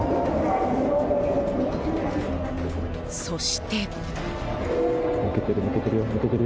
そして。